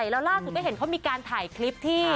แล้วล่าสุดก็เห็นเขามีการถ่ายคลิปที่